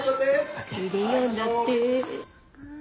クレヨンだって。